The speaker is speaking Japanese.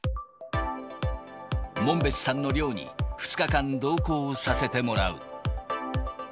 門別さんの猟に２日間同行させてもらう。